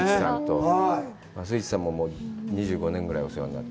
桝一さんと２５年ぐらいお世話になって。